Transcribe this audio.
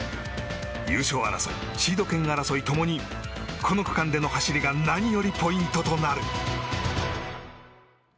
優勝争い、シード権争いともにこの区間での走りが何よりポイントとなる。